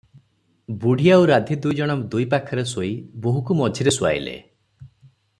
ବୁଢୀ ଆଉ ରାଧୀ ଦୁଇ ଜଣ ଦୁଇ ପାଖରେ ଶୋଇ ବୋହୂକୁ ମଝିରେ ଶୁଆଇଲେ ।